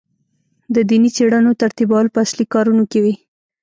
د دیني څېړنو ترتیبول په اصلي کارونو کې وي.